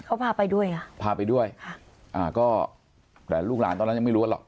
เขาพาไปด้วยไงพาไปด้วยค่ะอ่าก็แต่ลูกหลานตอนนั้นยังไม่รู้กันหรอก